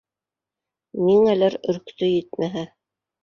Ниңәлер өрктө, етмәһә